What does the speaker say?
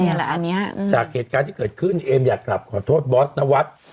แหละอันนี้จากเหตุการณ์ที่เกิดขึ้นเอมอยากกลับขอโทษบอสนวัฒน์